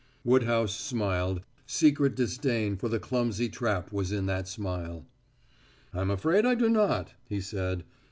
Woodhouse smiled secret disdain for the clumsy trap was in that smile. "I'm afraid I do not," he said.